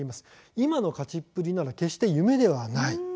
今の勝ちっぷりなら決して夢ではない。